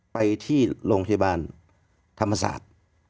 ไปที่โรงพยาบาลธรรมศาสตร์